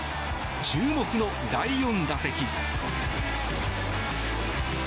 注目の第４打席。